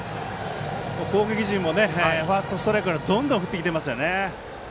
攻撃陣もファーストストライクからどんどん振ってきますね。